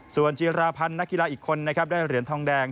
ส่วนจีราพันธ์นักกีฬาอีกคนนะครับได้เหรียญทองแดง